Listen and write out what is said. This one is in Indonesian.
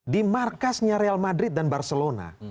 di markasnya real madrid dan barcelona